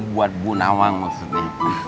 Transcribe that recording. buat ibu nawang maksudnya